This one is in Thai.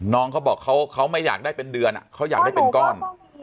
น้องเขาบอกเขาไม่อยากได้เป็นเดือนเขาอยากได้เป็นก้อน